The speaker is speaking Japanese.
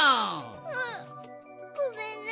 うんごめんね。